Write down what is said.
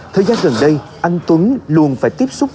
thời gian gần đây anh tuấn luôn phải tiếp xúc